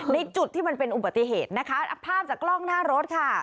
ในจุดที่มันเป็นอุบัติเหตุนะคะภาพจากกล้องหน้ารถค่ะ